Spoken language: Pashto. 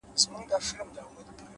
وخت د انتظار نه کوي,